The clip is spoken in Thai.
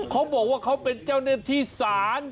เขาบอกว่าเขาเป็นเจ้าหน้าที่ศาล